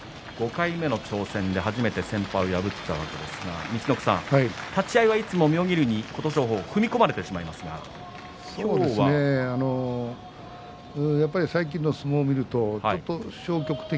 ５回目の挑戦で初めて先輩を破ったわけですが、陸奥さん立ち合いでいつも妙義龍に踏み込まれてしまいますがそうですね、最近の相撲を見るとちょっと消極的